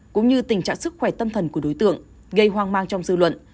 cũng như tình trạng sức khỏe tâm thần của đối tượng gây hoang mang trong dư luận